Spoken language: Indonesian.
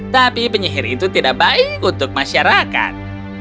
tapi penyihir itu tidak baik untuk masyarakat